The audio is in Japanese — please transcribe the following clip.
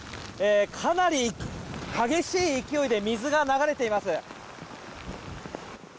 かなり激しい勢いで水が流れています。